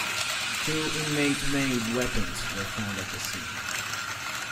Two inmate-made weapons were found at the scene.